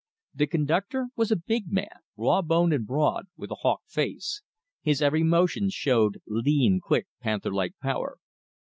The conductor was a big man, raw boned and broad, with a hawk face. His every motion showed lean, quick, panther like power.